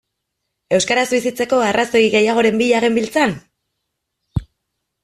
Euskaraz bizitzeko arrazoi gehiagoren bila genbiltzan?